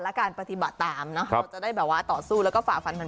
และการปฏิบัติตามเนอะเราจะได้แบบว่าต่อสู้แล้วก็ฝ่าฟันมัน